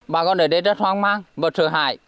bà con ở đây rất hoang mang và sợ hãi